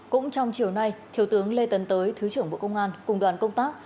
cũng trong chiều nay thiếu tướng lê tấn tới thứ trưởng bộ công an cùng đoàn công tác